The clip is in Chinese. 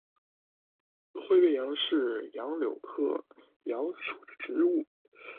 灰背杨是杨柳科杨属的植物。